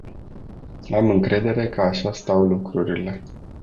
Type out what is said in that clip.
Am încredere că așa stau lucrurile.